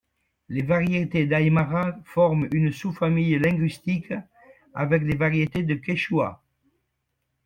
Les variétés d'aymara forment une sous-famille linguistique avec les variétés de quechua.